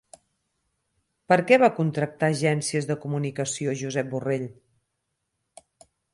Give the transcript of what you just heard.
Per què va contractar agències de comunicació Josep Borrell?